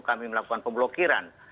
kami melakukan pemblokiran